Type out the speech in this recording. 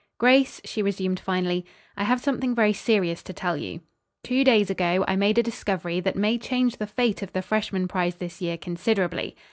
"Grace," she resumed, finally, "I have something very serious to tell you. Two days ago I made a discovery that may change the fate of the freshman prize this year considerably.